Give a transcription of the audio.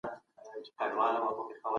اجازه ده چي ماشوم پوښتنه وکړي.